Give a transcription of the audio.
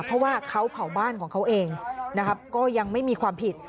เพราะว่าเขาเผาบ้านของเขาเองนะครับก็ยังไม่มีความผิด